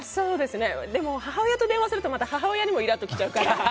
でも、母親と電話するとまた母親にもイラッときちゃうから。